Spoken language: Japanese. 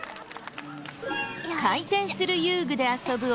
回転する遊具で遊ぶ男の子。